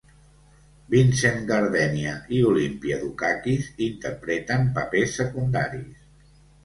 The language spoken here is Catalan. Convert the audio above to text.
Vincent Gardenia i Olympia Dukakis interpreten papers secundaris.